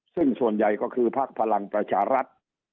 ซึ่งส่วนใหญ่ก็คือภักดิ์พลังประชารัฐ